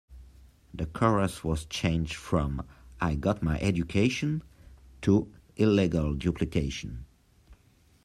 The chorus was changed from "I Got My Education" to "Illegal Duplication.